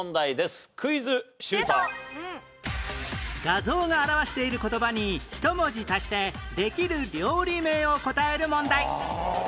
画像が表している言葉に１文字足してできる料理名を答える問題